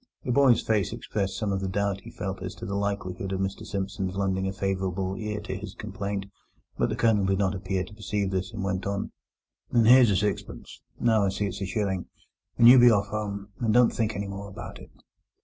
The boy's face expressed some of the doubt he felt as to the likelihood of Mr Simpson's lending a favourable ear to his complaint, but the Colonel did not appear to perceive this, and went on: "And here's a sixpence—no, I see it's a shilling—and you be off home, and don't think any more about it."